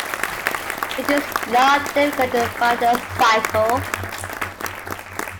It is not difficult to find a cycle.